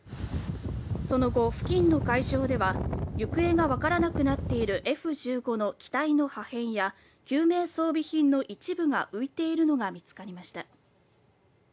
その後、付近の海上では、行方が分からなくなっているＦ１５の機体の破片や、救命装備品の一部が浮いているのが見つかりました。